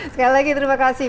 sekali lagi terima kasih